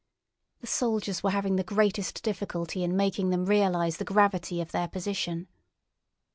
The soldiers were having the greatest difficulty in making them realise the gravity of their position.